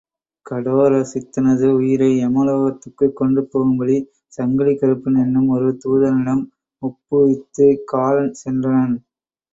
கடோரசித்தனது உயிரை யமலோகத்துக்குக் கொண்டு போகும்படிச் சங்கிலிக்கறுப்பன் என்னும் ஒரு துாதனிடம் ஒப்புவித்துக் காலன் சென்றனன்.